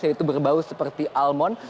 yaitu berbau seperti almon